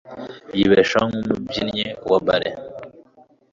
Yibeshaho nkumubyinnyi wa ballet.